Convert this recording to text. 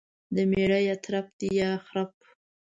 دميړه يا ترپ دى يا خرپ.